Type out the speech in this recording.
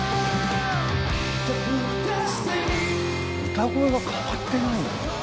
歌声が変わってないんだね。